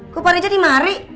kok pani jadi mari